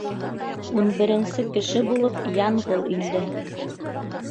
Ун беренсе кеше булып Янғол инде.